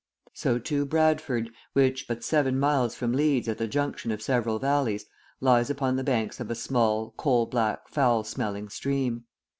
So, too, Bradford, which, but seven miles from Leeds at the junction of several valleys, lies upon the banks of a small, coal black, foul smelling stream.